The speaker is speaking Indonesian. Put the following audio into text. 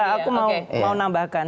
mbak aku mau nambahkan